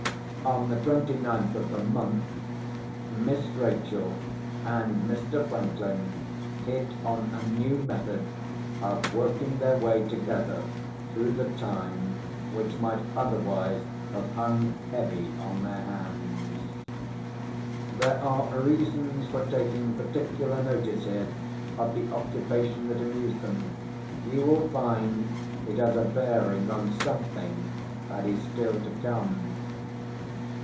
On the twenty ninth of the month, Miss Rachel and Mr. Franklin hit on a new method of working their way together through the time which might otherwise have hung heavy on their hands. There are reasons for taking particular notice here of the occupation that amused them. You will find it has a bearing on something that is still to come.